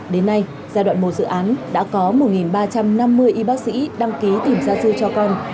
đến nay giai đoạn một dự án đã có một ba trăm năm mươi y bác sĩ đăng ký tìm gia sư cho con